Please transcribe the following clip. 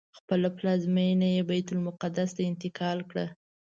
خپله پلازمینه یې بیت المقدس ته انتقال کړه.